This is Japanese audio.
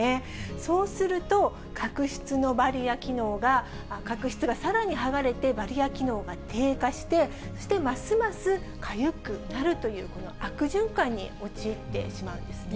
そうすると、角質のバリア機能が、角質がさらに剥がれて、バリア機能が低下して、そしてますますかゆくなるという悪循環に陥ってしまうんですね。